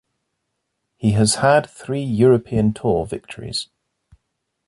He has had three European Tour victories.